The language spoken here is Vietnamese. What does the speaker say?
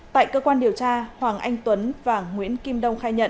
tại cơ quan điều tra hoàng anh tuấn và nguyễn kim đông